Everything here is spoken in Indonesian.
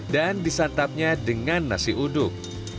disantapnya dengan nasi uduk